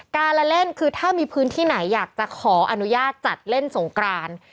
การละเล่นคือถ้ามีพื้นที่ไหนอยากจะขออนุญาตจัดเล่นสงกราน